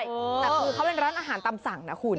แต่คือเขาเป็นร้านอาหารตามสั่งนะคุณ